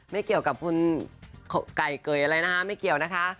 ไม่เกี่ยวกับคุณไก่เกยอะไรนะคะไม่เกี่ยวนะคะ